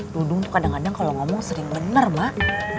dudung tuh kadang kadang kalau ngomong sering benar mak